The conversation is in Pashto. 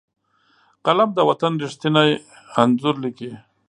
قلم د وطن ریښتیني انځور لیکي